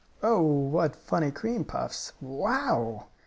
"Oh, what funny cream puffs! Wow!"